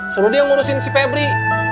suruh dia ngurusin si pebri